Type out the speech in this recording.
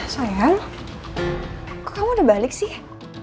sayang kok kamu udah balik sih